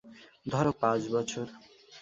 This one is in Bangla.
ধরো, পাঁচ বছর।